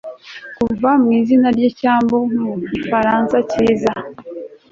Kuva mwizina ryicyambu mugifaransa cyiza